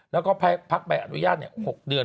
แล้วก็พักใบอนุญาต๖เดือน